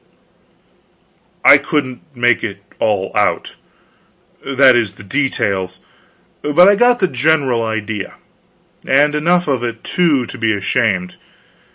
I couldn't make it all out that is, the details but I got the general idea; and enough of it, too, to be ashamed.